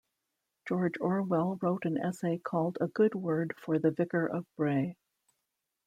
George Orwell wrote an essay called A Good Word for the Vicar of Bray.